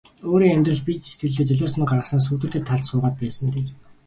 Өөрийн амьдрал бие сэтгэлээ золиосонд гаргаснаас сүүдэртэй талд суугаад байсан нь дээр.